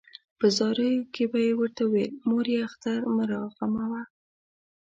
په زاریو کې به یې ورته ویل مورې اختر مه راغموه.